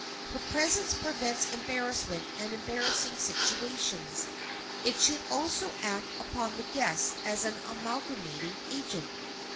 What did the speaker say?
Her presence prevents embarrassment and embarrassing situations. It should also act upon the guests as an amalgamating agent.